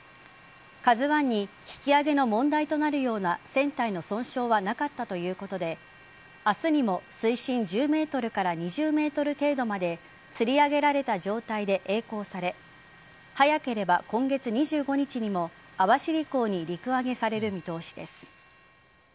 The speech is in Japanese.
「ＫＡＺＵ１」に引き揚げの問題となるような船体の損傷はなかったということで明日にも水深１０ｍから２０ｍ程度までつり上げられた状態でえい航され早ければ今月２５日にも網走港に陸揚げされる見通しです。